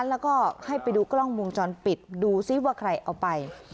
แล้วก็ให้ไปดูกล้องวงจรปิดดูซิว่าใครเอาไป